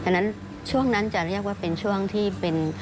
ฉะนั้นช่วงนั้นจะเรียกว่าเป็นช่วงที่เป็น